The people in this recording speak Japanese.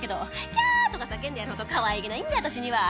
「キャー！」とか叫んでやるほどかわいげないんで私には。